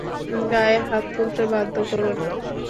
গায়ে হাত তুলতে বাধ্য কোরো না।